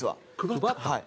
はい。